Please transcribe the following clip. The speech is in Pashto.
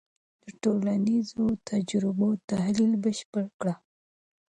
د ټولنیزو تجربو تحلیل بشپړ کړه.